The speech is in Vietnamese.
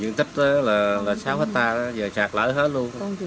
dương tích là sáu hectare giờ sạt lở hết luôn